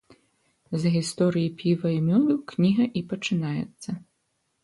З гісторыі піва і мёду кніга і пачынаецца.